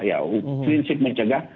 ya prinsip mencegah